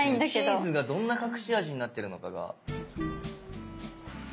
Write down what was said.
チーズがどんな隠し味になってるのかが。